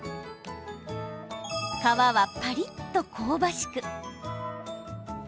皮はパリッと香ばしく